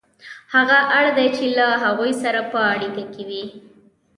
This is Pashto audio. هغه اړ دی چې له هغوی سره په اړیکه کې وي